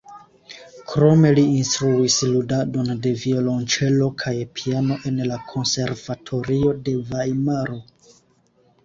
Krome li instruis ludadon de violonĉelo kaj piano en la Konservatorio de Vajmaro.